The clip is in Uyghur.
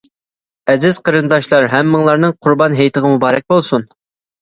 ئەزىز قېرىنداشلار ھەممىڭلارنىڭ قۇربان ھېيتىغا مۇبارەك بولسۇن!